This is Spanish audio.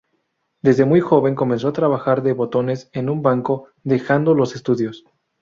Desde muy joven comenzó a trabajar de botones en un banco, dejando los estudios.